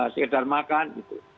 sekedar makan gitu